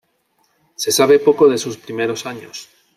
Se sabe poco de sus primeros años.